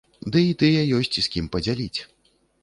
Ды і тыя ёсць з кім падзяліць.